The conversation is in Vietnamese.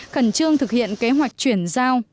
khẩn trương thực hiện kế hoạch chuyển giao